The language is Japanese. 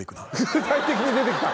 具体的に出てきた。